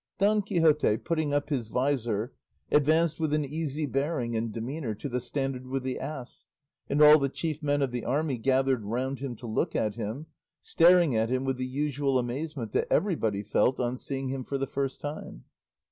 Don Quixote, putting up his visor, advanced with an easy bearing and demeanour to the standard with the ass, and all the chief men of the army gathered round him to look at him, staring at him with the usual amazement that everybody felt on seeing him for the first time.